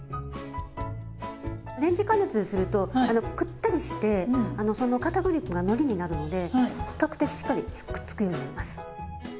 レンジ加熱するとくったりしてかたくり粉がのりになるので比較的しっかりくっつくようになります。